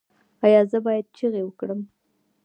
ایا زه باید چیغې وکړم؟